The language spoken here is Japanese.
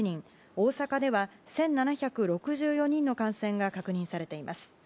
大阪では１７６４人の感染が確認されています。